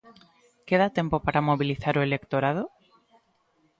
Queda tempo para mobilizar o electorado?